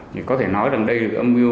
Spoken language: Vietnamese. thì có thể nói rằng đây là cái âm mưu